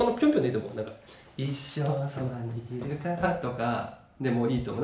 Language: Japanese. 「一生そばにいるから」とかでもいいと思う。